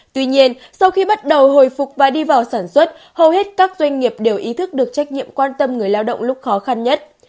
tuy nhiên sau khi bắt đầu hồi phục và đi vào sản xuất hầu hết các doanh nghiệp đều ý thức được trách nhiệm quan tâm người lao động lúc khó khăn nhất